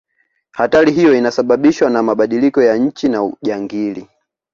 hatari hiyo inasababishwa na mabadiliko ya nchi na ujangili